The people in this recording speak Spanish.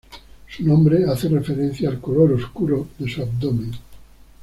Su nombre hace referencia al color oscuro de su abdomen.